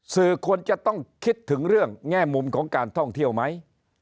สื่อควรจะต้องคิดถึงเรื่องแง่มุมของการท่องเที่ยวไหม